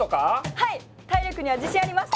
はい体力には自信あります！